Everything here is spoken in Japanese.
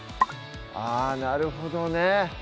あぁなるほどね